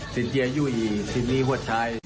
สินเจียยุอีสินมีหวัดชาย